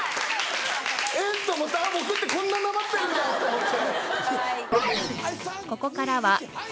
えっ？と思って僕ってこんななまってるんだって思って。